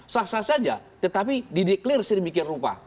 sah sah saja tetapi dideklarasi demikian rupa